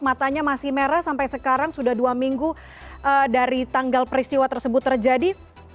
matanya masih merah sampai sekarang sudah dua minggu dari tanggal peristiwa tersebut terjadi